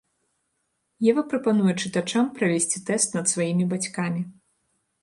Ева прапануе чытачам правесці тэст над сваімі бацькамі.